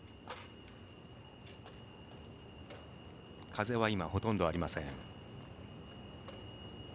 風は、今ほとんどありません。